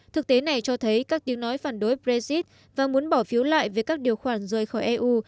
thực tế này cho thấy các tiếng nói phản đối brexit và muốn bỏ phiếu lại về các điều khoản rời khỏi eu